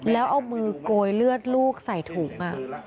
แล้วเอามือโกยเลือดลูกใส่ถุง